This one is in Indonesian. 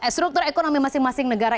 struktur ekonomi masing masing negara